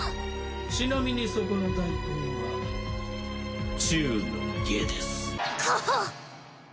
ちなみにそこの大根は中の下ですかはっ！